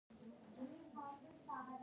سوالګر ته ژوند ورکوئ